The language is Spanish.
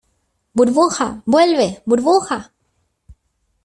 ¡ burbuja, vuelve! ¡ burbuja !